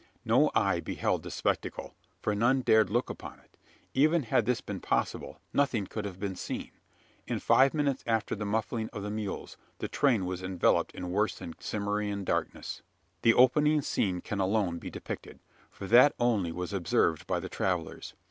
No eye beheld the spectacle: for none dared look upon it. Even had this been possible, nothing could have been seen. In five minutes after the muffling of the mules, the train was enveloped in worse than Cimmerian darkness. The opening scene can alone be depicted: for that only was observed by the travellers.